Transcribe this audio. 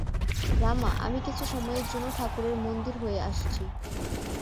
রামা, আমি কিছু সময়ের জন্য ঠাকুরের মন্দির হয়ে আসছি।